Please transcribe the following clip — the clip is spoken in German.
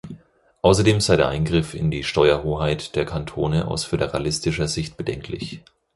Ausserdem sei der Eingriff in die Steuerhoheit der Kantone aus föderalistischer Sicht bedenklich.